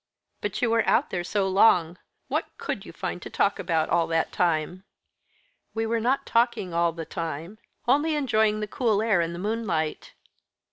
"But you were out there so long. What could you find to talk about all that time?" "We were not talking all the time, only enjoying the cool air and the moonlight."